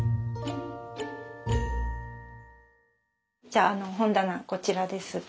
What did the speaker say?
じゃあ本棚こちらです。